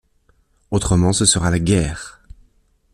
Autrement, ce sera la guerre.